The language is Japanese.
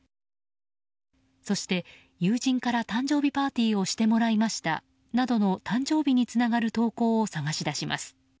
そして、友人から誕生日パーティーをしてもらいましたなどの誕生日につながる投稿を探し出します。